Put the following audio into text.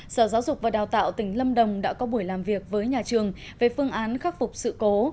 sở giáo dục và đào tạo tỉnh lâm đồng đã có buổi làm việc với nhà trường về phương án khắc phục sự cố